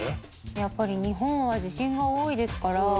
やっぱり日本は地震が多いですから。